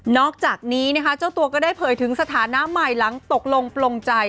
อกจากนี้นะคะเจ้าตัวก็ได้เผยถึงสถานะใหม่หลังตกลงปลงใจ